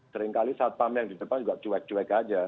seringkali saat panggilan di depan juga cuek cuek saja